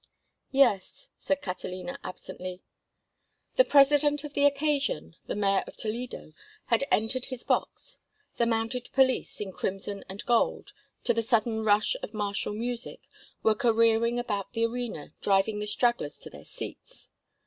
"Yes," said Catalina, absently. The president of the occasion, the mayor of Toledo, had entered his box; the mounted police, in crimson and gold, to the sudden rush of martial music, were careering about the arena driving the stragglers to their seats.